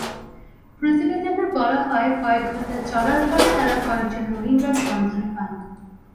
প্রতিবেদনে বলা হয়, কয়েক ঘণ্টা চলার পরে তাঁরা কয়েকজন রোহিঙ্গার সন্ধান পান।